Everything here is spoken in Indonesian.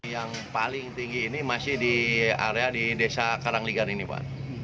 yang paling tinggi ini masih di area di desa karangligar ini pak